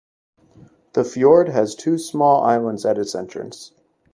The fiord has two small islands at its entrance.